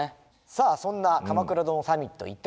さあそんな「鎌倉殿サミット」